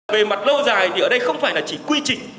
về mặt lâu dài thì ở đây không phải là chỉ quy trình